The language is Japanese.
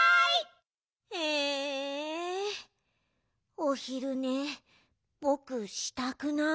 おひるねぼくしたくない。